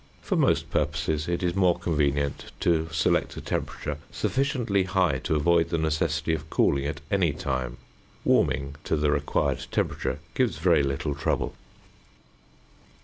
For most purposes it is more convenient to select a temperature sufficiently high to avoid the necessity of cooling at any time. Warming to the required temperature gives very little trouble.